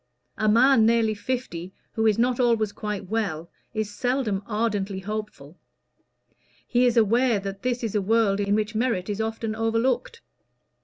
A man nearly fifty who is not always quite well is seldom ardently hopeful: he is aware that this is a world in which merit is often overlooked.